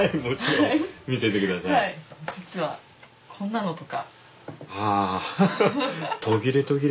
実はこんなのとか。はあ。